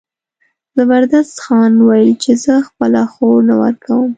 زبردست خان وویل چې زه خپله خور نه ورکوم.